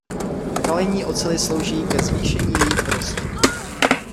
Kalení oceli slouží ke zvýšení její tvrdosti.